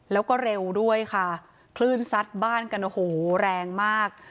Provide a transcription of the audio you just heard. แล้วก็เร็วด้วยค่ะคลื่นซัดบ้านกันโอ้โหแรงมาก